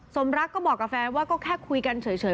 สมรักก็บอกกับแฟนว่าก็แค่คุยกันเฉย